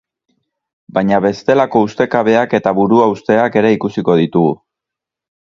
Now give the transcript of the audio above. Baina bestelako ustekabeak eta buruhausteak ere ikusiko ditugu.